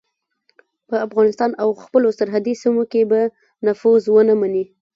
په افغانستان او خپلو سرحدي سیمو کې به نفوذ ونه مني.